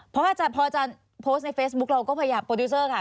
พออาจารย์โพสต์ในเฟซบุ๊คเราก็พยายามโปรดิวเซอร์ค่ะ